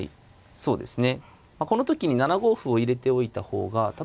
そうですね。